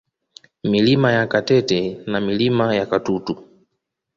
Milima ya Katete na Milima ya Katutu